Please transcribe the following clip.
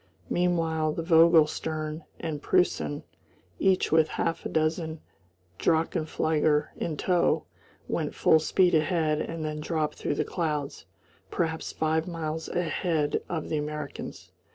Meanwhile the Vogel stern and Preussen, each with half a dozen drachenflieger in tow, went full speed ahead and then dropped through the clouds, perhaps five miles ahead of the Americans.